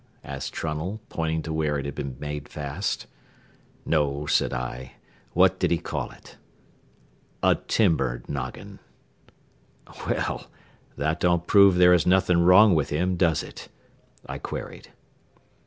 asked Trunnell, pointing to where it had been made fast. "No," said I. "What did he call it?" "A timber noggin." "Well, that don't prove there is anything wrong with him, does it?" I queried.